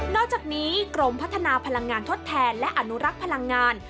อกจากนี้กรมพัฒนาพลังงานทดแทนและอนุรักษ์พลังงาน